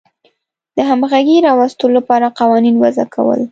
د همغږۍ راوستلو لپاره قوانین وضع کول.